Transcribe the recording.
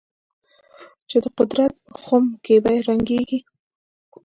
چې د قدرت په خُم کې به رنګېږي.